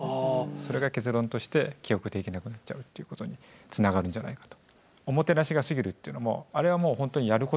それが結論として記憶できなくなっちゃうっていうことにつながるんじゃないかと。